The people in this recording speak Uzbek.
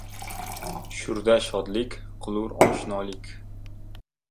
Shurda shodlik qilur oshnolik.